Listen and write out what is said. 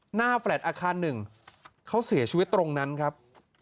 แฟลต์อาคารหนึ่งเขาเสียชีวิตตรงนั้นครับ